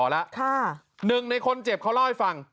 หนึ่งในคนเจ็บเขาเล่าให้ฟัง